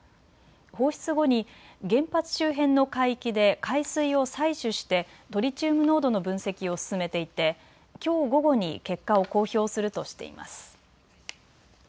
放出後に原発周辺の海域で海水を採取してトリチウム濃度の分析を進めていてきょう午後に結果を公表するとしています。